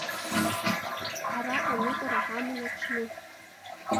Ҳара аныҟәара ҳаман аҽны.